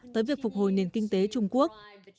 tới việc phục hồi nền kinh tế trung quốc